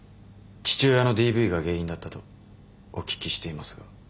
父親のＤＶが原因だったとお聞きしていますが？